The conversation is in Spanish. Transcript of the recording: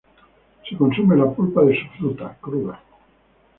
Se consume la pulpa de su fruta, cruda.